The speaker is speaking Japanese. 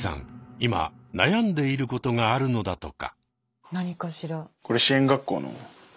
今悩んでいることがあるのだとか。